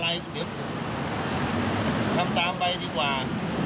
เดี๋ยวจะทำตามไปดีกว่า